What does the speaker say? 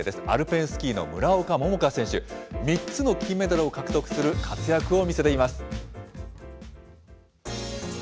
アルペンスキーの村岡桃佳選手、３つの金メダルを獲得する活躍を見せています。